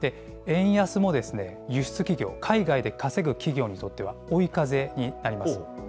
円安も輸出企業、海外で稼ぐ企業にとっては追い風になります。